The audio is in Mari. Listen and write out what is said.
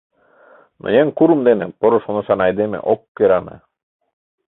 Но еҥ курым дене поро шонышан айдеме ок кӧране.